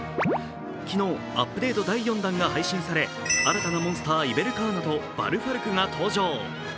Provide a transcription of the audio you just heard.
昨日、アップデート第４弾が配信され、新たなモンスター・イヴェルカーナとバルファルクが登場。